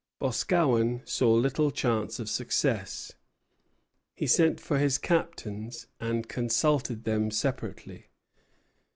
Boscawen saw little chance of success. He sent for his captains, and consulted them separately.